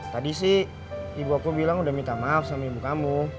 tadi sih ibu aku bilang udah minta maaf sama ibu kamu